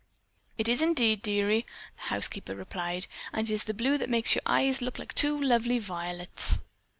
"It is indeed, dearie," the housekeeper replied, "and it's the blue that makes your eyes look like two lovely violets."